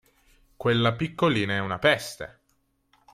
Quella piccolina è una peste!